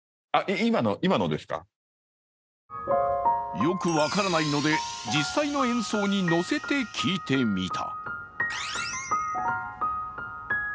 よく分からないので、実際の演奏に乗せて聞いてみた。